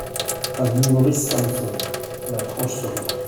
Avenue Maurice Samson, La Tranche-sur-Mer